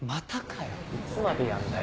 いつまでやんだよ。